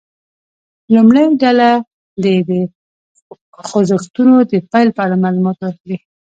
لومړۍ ډله دې د خوځښتونو د پیل په اړه معلومات ورکړي.